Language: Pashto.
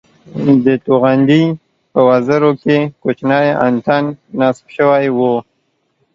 د توغندي په وزرو کې کوچنی انتن نصب شوی وو